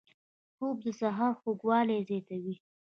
خوب د سحر خوږوالی زیاتوي